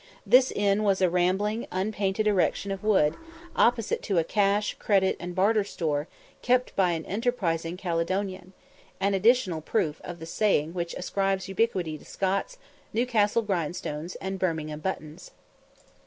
This inn was a rambling, unpainted erection of wood, opposite to a "cash, credit, and barter store," kept by an enterprising Caledonian an additional proof of the saying which ascribes ubiquity to "Scots, Newcastle grindstones, and Birmingham buttons."